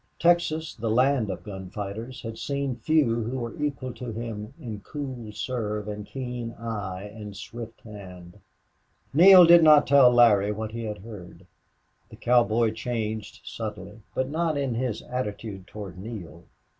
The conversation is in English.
Texas, the land of gunfighters, had seen few who were equal to him in cool nerve and keen eye and swift hand. Neale did not tell Larry what he had heard. The cowboy changed subtly, but not in his attitude toward Neale.